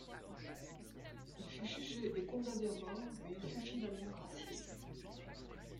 Il fut jugé et condamné à mort, mais il fut finalement gracié.